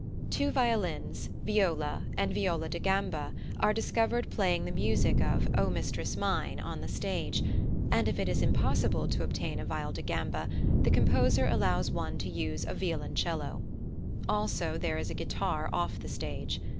Two violins, viola, and viol da gamba are discovered playing the music of "O mistress mine" on the stage; and if it is impossible to obtain a viol da gamba, the composer allows one to use a violoncello. Also there is a guitar off the stage.